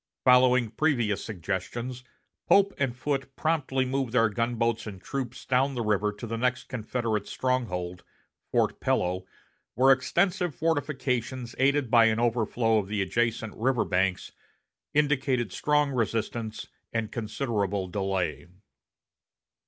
Following previous suggestions, Pope and Foote promptly moved their gunboats and troops down the river to the next Confederate stronghold, Fort Pillow, where extensive fortifications, aided by an overflow of the adjacent river banks, indicated strong resistance and considerable delay.